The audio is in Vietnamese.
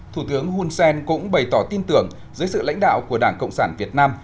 thủ tướng hun sen cũng bày tỏ tin tưởng dưới sự lãnh đạo của đảng cộng sản việt nam